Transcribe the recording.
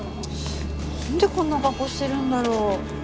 なんでこんな格好してるんだろう？